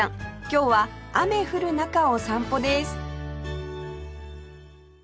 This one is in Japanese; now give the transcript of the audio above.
今日は雨降る中を散歩です